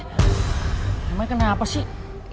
emang ini kenapa sih